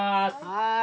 はい。